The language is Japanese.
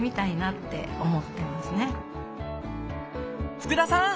福田さん！